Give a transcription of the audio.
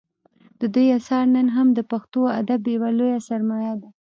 د دوی اثار نن هم د پښتو ادب یوه لویه سرمایه ده